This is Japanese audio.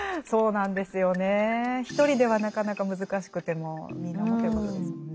一人ではなかなか難しくてもみんな思ってることですもんね。